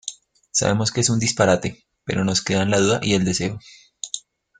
Sabemos que es un disparate, pero nos quedan la duda y el deseo.